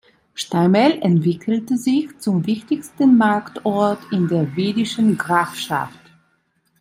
Steimel entwickelte sich zum wichtigsten Marktort in der wiedischen Grafschaft.